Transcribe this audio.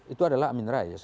itu adalah amin rais